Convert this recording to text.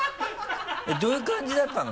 どういう感じだったの？